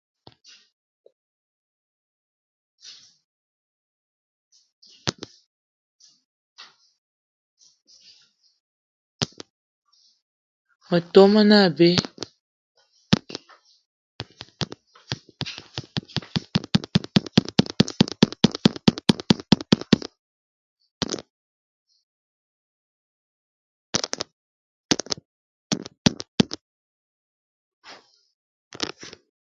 Metom me ne abe.